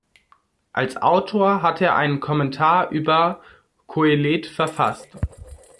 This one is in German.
Als Autor hat er einen Kommentar über Kohelet verfasst.